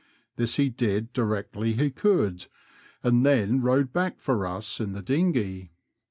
This he did directly he could, and then rowed back for us in the dinghey.